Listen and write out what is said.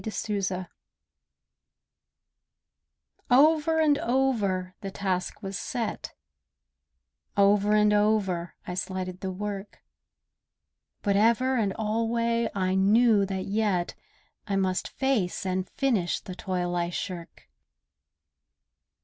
THE PURPOSE Over and over the task was set, Over and over I slighted the work, But ever and alway I knew that yet I must face and finish the toil I shirk.